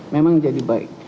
memang jadi baik